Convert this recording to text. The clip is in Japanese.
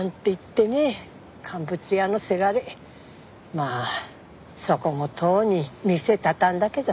まあそこもとうに店畳んだけど。